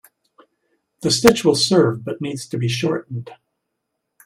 The stitch will serve but needs to be shortened.